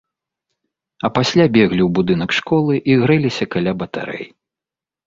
А пасля беглі ў будынак школы і грэліся каля батарэй.